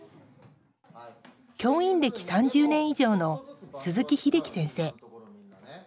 教員歴３０年以上の鈴木秀樹先生。